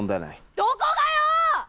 どこがよ！